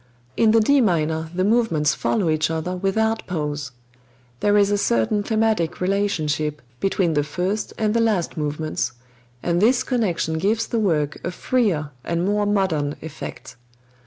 In the D minor the movements follow each other without pause; there is a certain thematic relationship between the first and the last movements, and this connection gives the work a freer and more modern effect.